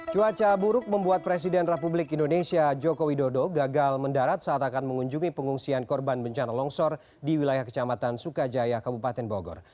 cuaca buruk membuat presiden republik indonesia joko widodo gagal mendarat saat akan mengunjungi pengungsian korban bencana longsor di wilayah kecamatan sukajaya kabupaten bogor